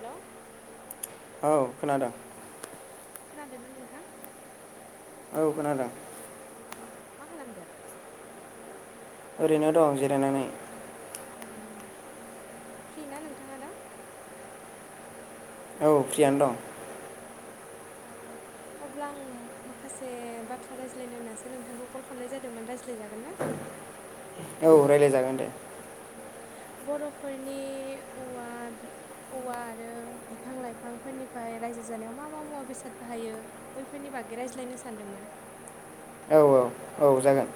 हेल' औ खोनादों। खोनादोंना नोंथां? औ खोनदों। मा खालामदो? ओरैनो दं जिरायनानै। उम फ्रि ना नोंथाङा दा? औ फ्रियानो दं। औ अब्ला आं माखासे बाथ्रा रायज्लायनो होन्नासो नोंथांखौ कल खालामनाय जादोंमोन रायज्लाय [unintelligible] जागोन ना औ रायज्लाय जागोन दे। बर'फोरनि औवा औवा आरो बिफां लाइफांफोरनिफ्राय रायजो जानायाव मा मा मुवा बेसाद बाहायो बैफोरनि बागै रायज्लायनो सानदोंमोन। औ औ औ जागोन।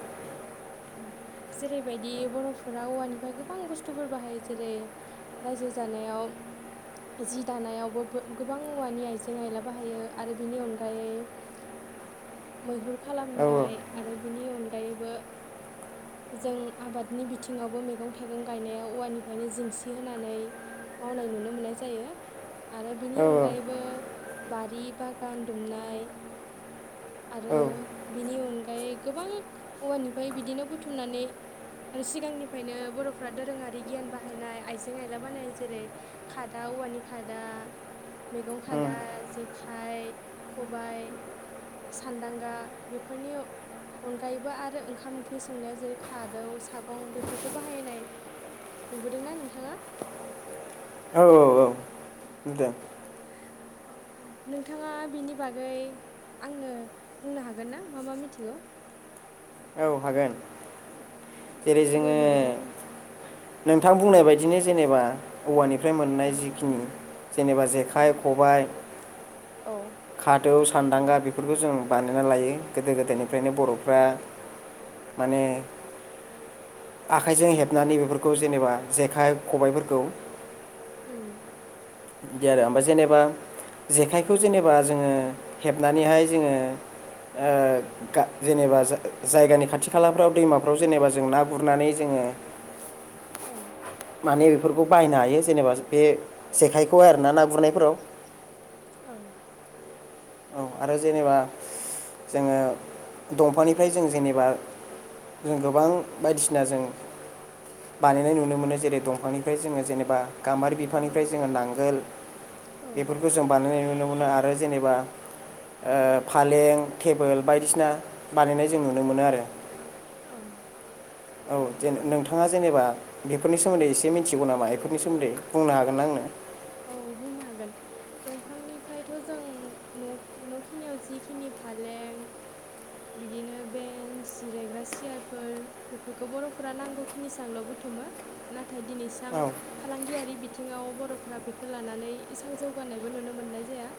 जेरैबायदि बर'फोरा औवानिफ्राय गोबां बुस्थुफोर बाहायो जेरै रायजो जानायाव जि दानायावबो गोबां औवानि आइजें आयला बाहायो आरो बिनि अनगायै मैहुर औ खालामनाय आरो बिनि अनगायैबो जों आबादनि बिथिङावबो मैगं-थाइगं गायनाया औवानिफ्रायनो जिंसि होनानै मावनाय नुनो मोननाय जायो आरो बिनि औ अनगायैबो बारि-बागान दुमनाय औ आरो बिनि अनगायै गोबां औवानि फ्राय बिदिनो बुथुमनानै सिगांनिफ्रायनो बर'फ्रा दोरोङारि गियान बाहायनाय आइजें-आइला बानायनाय जेरै खादा, औवानि खादा, मैगं उम खादा, जेखाइ, खबायाइ, सान्दांगा बेफोरनि अनगायैबो आरो ओं ओंखाम ओंख्रि संनायाव जेरै खादौ, सागं बेफोरखौ बाहायनाय नुबोदों ना नोंथाङा? नुदों। औ औ नोंथाङा बिनि बागै आंनो बुंनो हागोन ना मा मा मिथिगौ? औ हागोन। जेरै दे जोङो बिदिब्ला बुंदो नोंथां बुंनाय बायदिनो जेनेबा औवानिफ्राय औ मोननाय जिखिनि जेनेबा जेखाइ, खबाय औ। दौ सान्दांगा बेफोरखौ जों बानायना लायो गोदो गोदायनिफ्रायनो बर'फ्रा माने आखाइजों औ उम हेबनानै बेफोरखौ जेनेबा जेखाइ खबायफोरखौ बिदि आरो इनफाय जेनेबा जेखाय खौ जेनेबा जोङो हेबनानैहाय जोङो ओ गा जेनेबा जा-जायगानि खाथि खालाफ्राव दैमाफ्राव जेनेबा जों ना गुरनानै जोङो औ। माने बेफोरखौ बायनो हायो जेनेबा बे जेखाइखौ आरोना ना गुरनायफोराव। औ। औ आरो जेनेबा जोङो दंफांनिफ्राय जों जेनेबा जों गोबां बायदिसिना जों बानायनाय नुनो मोनो जेरै दंफांनिफ्राय जोङो जेनेबा गामबारि बिफांनिफ्राय जोङो नांगोल औ बेफोरखौ जों बानायनाय नुनो मोनो आरो जेनेबा ओ फालें टेबोल बायदिसिना बानायनाय जों नुनो मोनो आरो। औ औ जों नोंथाङा जेनेबा बेफोरनि सोमोन्दै एसे मिनथिगौ नामा बेफोरनि सोन्दै बुंनो हागोन ना आंनो औ बुंनो हागोन दंफांनिफ्रायथ जों न'खिनियाव जिखिनि फालें बिदिनो बेन्स जिरायग्रा सियारफोर बेफोरखौ बर'फोरा नांगौखिनिसांल बुथुमो दिनैसां औ फालांगियारि बि बिथिङाव बरफोरा बेखौ लानानै इसबां जौगानायबो नुनो मोननाय जाया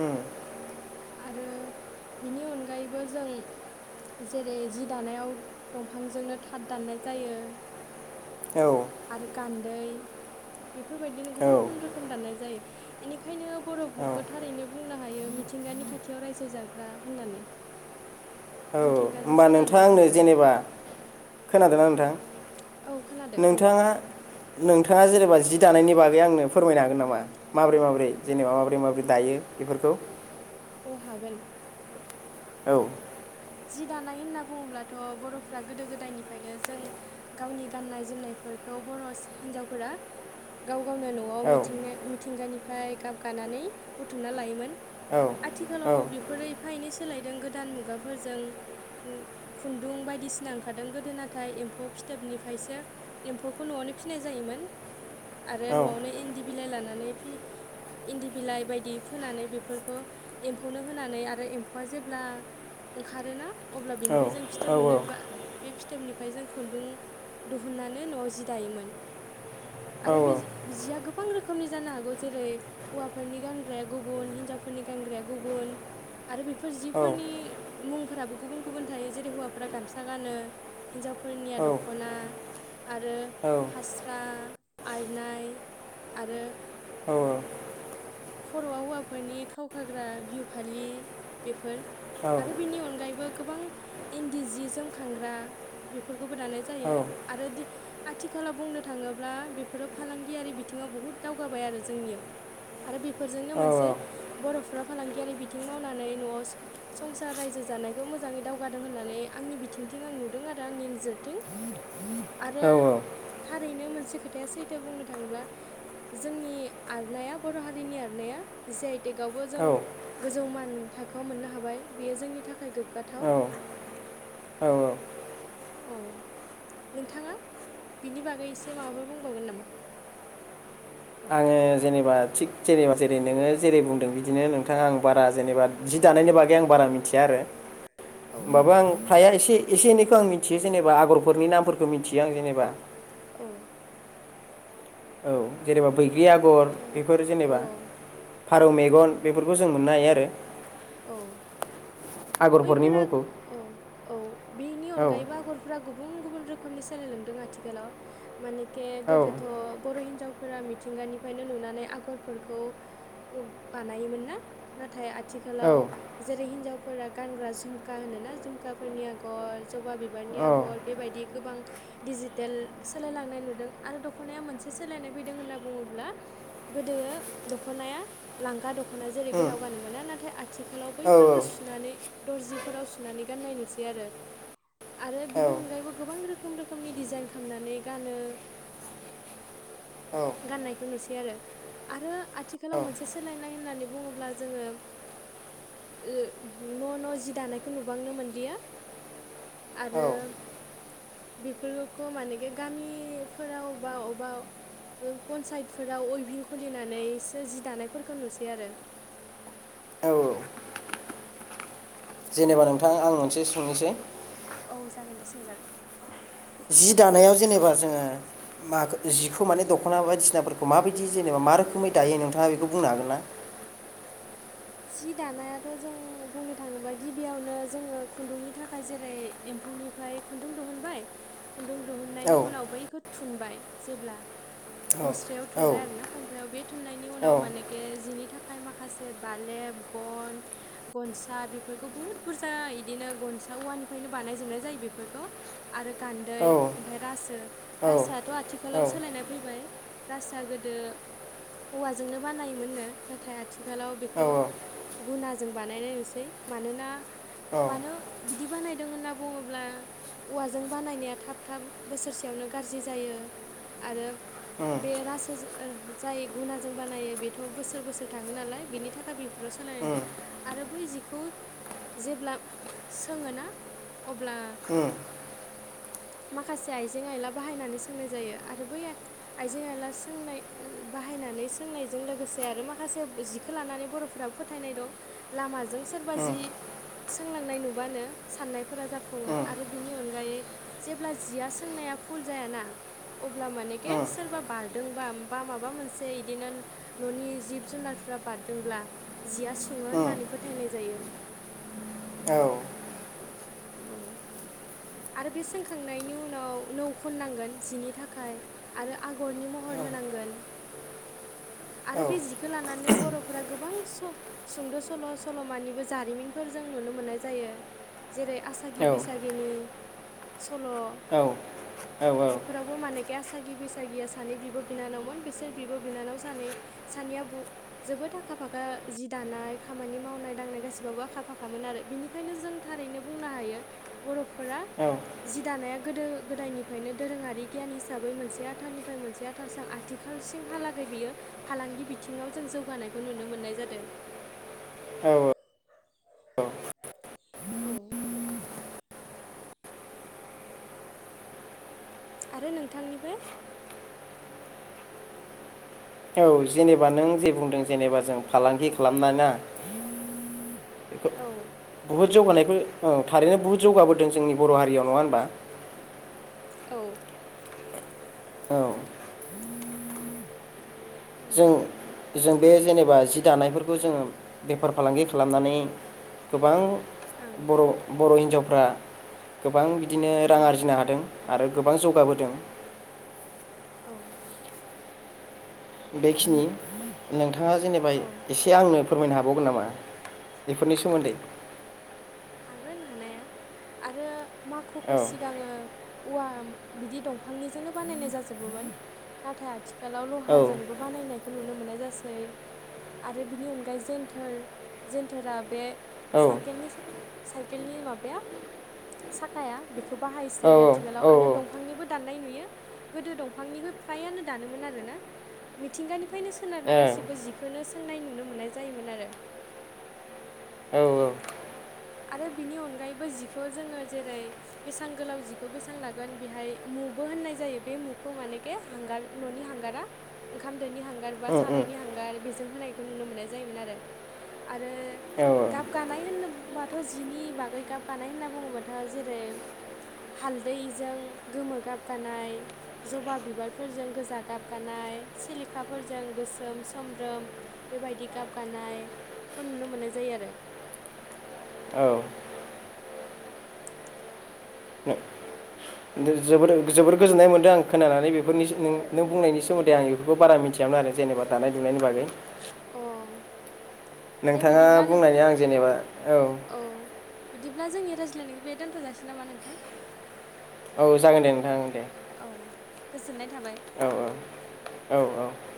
उम, आरो बिनि अनगायैबो जों जेरै जि दानायाव दंफांजोंनो थाथ दाननाय जायो औ आरो गान्दै बेफोरबायदिनो औ गुबुन गुबुन रोखोम दाननाय जायो इनिखायनो औ बर'फोरखौ थारैनो बुंनो हायो मिथिंगानि खाथियाव रायजो जाग्रा होननानै मिथिंगाजों होमबा सोनारना नोंथाङा आंनो थाग्रा जेनेबा खोनादों ना नों दा औ खोनादो बुं नोंथाङा नोंथाङा जेनेबा जि दानायनि बागै आंनो फोरमायनो हागोन नामा माबोरै माबोरै जेनेबा माबोरै माबोरै दायो बेफोरखौ अ हागोन औ जि दानाय होनना बुङोब्लाथ बर'फ्रा गोदो गोदायनिफ्रायनो जों गावनि गाननाय जोमनायफोरखौ बर' हिन्जावफोरा गाव गावनो नआव औ मिथिंगा मि थिंगानिफ्राय गाब गानानै बुथुमना लायोमोन औ आथिखालाव बेफोरो एफा एनै सोलायदों गोदान मुगा फोरजों खुन्दुं बायदिसिना ओंखारदों गोदो नाथाय एम्फौ फिथोबनिफ्रायसो एम्फौखौ नआवनो फिसिनाय जायोमोन आरो औ नआवनो इन्दि बिलाइ लानानै फि इन्दि बिलाइ बायदि फोनानै बेफोरखौ एम्फौनो होनानै आरो एम्फौआ जेब्ला ओंखारोना अब्ला औ बिनिफ्राय जों फिथोब मोनो बा बे फिथोबनिफ्राय जों खुन्दुं दिहुननानै नआव जि दायोमोन आरो बे औ जिया गोबां रोखोमनि जानो हागौ जेरै हौवाफोरनि गानग्राया गुबुन हिनजावफोरनि गानग्राया गुबुन आरो बेफोर जिफोरनि मुंफोराबो गुबुन गुबुन थायो जेरै हौवाफोरा गामसा गानो हिन्जावफोरनिया औ दखना आरो औ औ फास्रा आरनाइ आरो औ खर'आव हौवाफोरनि खावखाग्रा बिहु फालि बेफोर आरो बेनि अनगायैबो गोबां इन्दि जि जोमखांग्रा बेफोरखौबो दानाय जायो आरो आथिखालाव बुंनो थाङोब्ला बेफोरो फालांगियारि बिथिङाव बहुद दावगाबाय आरो जोंनियाव आरो बेफोरजोंनो मोनसे बर'फोरा फालांगियारि बिथिं मावनानै नआव संसार रायजो जानायखौ मोजाङै दावगादों होननानै आंनि बिथिंथिं आं नुदों आरो आंनि नोजोरथिं आरो थारैनो मोनसे खोथाया सैथो बुंनो थाङोब्ला जोंनि आर'नाया बर' हारिनि आर'नाया जि आइ टेगआवबो औ जों गोजौ मान थाखोआव मोननो हाबाय बेयो जोंनि थाखाय गोग्गाथाव औ औ नोंथाङा बिनि बागै एसे माबाफोर बुंबावगोन नामा? आङो जेनेबा थिग जेनेबा जेरै नोङो जेरै बुंदों बिदिनो नोंथाङा आं बारा जेनेबा जि दानायनि बागै आं बारा मिथिया आरो औ होमबाबो आं फ्राय एसे एसे एनैखौ आं मिथियो जेनेबा आगरफोरनि नामफोरखौ मिथियो आं जेनेबा औ औ जेनेबा बैग्रि आगर बेफोर ओ औ जेनेबा फारौ मेगन बेफोरखौ जों मोननो हायो आरो औ आगरफोरनि बैफोरा मुंखौ औ औ बेनि औ अनगायैबो आगरफोरा गुबुन गुबुन रोखोमनि सोलायलांदों आथिखालाव मानिके औ गोदोथ' बर' हिनजावफोरा मिथिंगानिफ्रायनो नुनानै आगरफोरखौ बानायोमोन ना नाथाय आथिखा औ लाव जेरै हिनजावफोरा गानग्रा झुमखा होनोना झुमखाफोरनि आगर जबा बिबारनि आगर बेबायदि गोबां दिडिजिटेल सोलायलांनाय नुदों आरो दख'नाया मोनसे सोलायनाय फैदों होनना बुङोब्ला गोदो दख'नाया लांगा दख'ना जेरै गोलाव गानो मोना नाथाय आथिखालाव औ बैफोरखौ सुनानै दर्जिफोराव सुनानै गाननाय नुसै आरो आरो औ बिनि अनगायैबो गोबां रोखोम रोखोमनि डिजाइन खामनानै गानो गाननायखौ नुसै आरो आरो आथिखालाव मोनसे सोलायनाय होननानै बुङोब्ला जोङो ओ न' न' जि दानायखौ नुबांनो मोनलिया आरो औ बेफोरखौ मानिके गामिफोराव बा अबेबा पन्सायतफोराव अइभिं खुलिनानैसो जि दानायफोरखौ नुसै आरो औ जेनेबा नों थां आं मोनसे सोंनोसै औ जागोन दे सोंजागोन जि दानायाव जेनेबा जोङो माखो जिखौ माने दख'ना बायदिसिनाफोरखौ माबायदि जेनेबा मा रोखोमै दायो नोंथाङा बेखौ बुंनो हागोन ना? जि दानायाथ' जों बुंनो थाङोबा गिबियावनो जोङो खुन्दुंनि थाखाय जेरै एम्फौनिफ्राय खुन्दुं दिहुनबाय खुन्दुं दिुहुननायनि औ उनाव बैखौ थुनबाय जेब्ला औ मुस्रायाव औ थुनबाय आरोना फमफ्लायाव बे थुननायनि उनाव मानेके जिनि थाखाय माखासे बालेब गन गनसा बेफोरखौ बुहुद बुरजा बिदिनो गनसा औवानिफ्रायनो बानायोबनाय जायो बेफोरखौ आरो गान्दै औ ओमफ्राय औ रासो आथ' आथिखालाव सोलायनाय फैबाय रासोआ गोदो औवाजोंनो बानायोमोननो नाथाय आथिखालाव औ खौ गुनाजों बानायनाय नुसै मानोना औ मानो बिदि बानायदों होनना बुङोब्ला औवाजों बानायनाया थाब थाब बोसोरसेयावनो गाज्रि जायो आरो उम बे रासो जाय गुनाजों बानायो बेथ' बोसोर बोसोर थाङो नालाय बेनि थाखाय दा सिफ्राव सोलायनाय उम नुदों आरो ब बै जिखौ जेब्ला सोङोना अब्ला उम माखासे आइजें आइला बाहायनानै सोंनाय जायो आरो बै आइजें आइला सोंनायजों लोगोसे आरो माखासे जिखो लानानै बरफ्रा फोथायनाय दं लामाजों सोरबा उम जि सोंलांनाय नुबानो साननायफोरा जाफुङो उम आरो बिनि अनगायै जेब्ला जिया सोंनाया फुल जायाना अब्ला मानेके उम सोरबा बार बारदोंबा बा माबा मोनसे बिदिनो न'नि जिब जुनारफ्रा बारदोंब्ला जिया सुङो उम होननानै फोथायनाय जायो। [unintelligible] औ। औ आरो बे सोंखांनायनि उनाव नो खननांगोन जिनि थाखाय आरो आगरनि महर होनांगोन औ आरो बे जिखौ लानानै बर'फोरा गोबां सुंद' सल' सल'मानिबो जारिमिनफोर जों नुनो मोननाय जायो। जेरै आसागि बैसागिनि सल' बेफोरावबो माने आसागि बैसागिया सानै बिब' बिनानावमोन बिसोर बिब' बिनानाव सानै सानैया जोबोद आखा फाखा जि दानाय खामानि मावनाय दांनाय गासिबावबो आखा फाखामोन आरो बिनिखायनो जों थारैनो बुंनो हायो बर'फोरा जि दानाया गोदो गोदायनिफ्रायनो दोरोङारि गियान हिसाबै मोनसे आथालनिफ्राय मोनसे आथालजों आथिखालसिंहालागै बियो फालांगि बिथिङाव जों जौगानायखौ नुनो मोननाय जादों। औ औ। आरो नोंथांनिफ्राय औ जेनेबा नों जे बुंदों जेनेबा जों फालांगि खालामना ना [inaudible] औ बहुत जौगानायखो औ थारैनो बुहुत जौगाबोदों जोंनि बर' हारियाव नङा होनबा? औ औ [inaudible] जों बे जेनेबा जि दानायफोरखौ जोङो बेफार फालांगि खालामनानै गोबां ओं बर' बर' हिनजाव फ्रा गोबां बिदिनो रां औ आरजिनो हादों। आरो गोबां जौगाबोदों। औ बेखिनि नों थाङा जेनेबा औ एसे आंनो फोरमायनो हाबावगोन नामा बेफोरनि सोमोन्दै? हागोन हानाया आरो माखुखौ औ सिगाङो औवा बिदि दंफांनिजोंनो बानायनाय जाजोबोमोन नाथाय आथि खालाव औ लहाजोंबो बानायनाय खौ नुनो मोननाय जासै आरो बेनि अनगायै जेेनथोर जेन्थोरा बे औ साइकेलनि साइकेलनि माबाया साखाया बेखौ औ बाहायसै आथिखालाव औ आरो दंफांनिबो दाननाय नुयो गोदो दंफांनिखो फ्रायानो दानोमोन आरोना मिथिंगानिफ्रायनो सोनारना ए गासैबो जिखोनो सोंनाय नुनो मोननाय जायोमोन आरो। औ आरो बिनि अनगायैबो जिखौ जोङो जेरै बेसेबां गोलाव जिखौ बेसेबां लागोन बेहाय मुबो होननाय जायो बे मुखौ मानेखे हांगार न'नि हांगारा ओंखाम दोनि हांगार बा सारायनि हांगार बेजों होनायखौ नुनो मोननाय जायोमोन आरो आरो औ गाब गानाय होननोबा थ' जिनि बागै गाबगानाय होनना बुङोबाथ' जेरै हालदैजों गोमो गाबगानाय जबा बिबारफोरजों गोजा गाबगानाय सिलिखाफोरजों गोसोम सोमब्रोम बेबायदि गाबगानायखौ नुनो मोन्नाय जायो आरो। औ जोबोद ओ जोबोर गोजोननाय मोन्दों आं। खोनानानै बेफोरनि नों बुंनायनि सोमोन्दै आं बेफोरखौ बारा मिन्थियामोन आरो जेनेबा दानाय लुनायनि बागै। अ दे नोंथाङा बिदिब्ला नोंथां बुंनायनि आं जेनेबा औ बिदिब्ला जोंनि रायज्लायनायखौ बे दोनथ'जासै नामा नोंथां? औ जागोन दे नोंथां दे। औ गोजोननाय थाबाय। औ औ औ